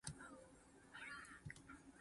欣羨